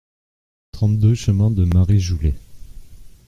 trente-deux chemin de Marijoulet